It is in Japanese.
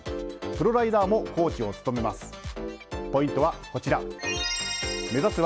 プロライダーもコーチを務めます。